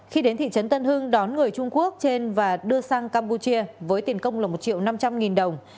khi đến thị trấn tân hưng đón người trung quốc trên và đưa sang campuchia với tiền công là một triệu năm trăm linh nghìn đồng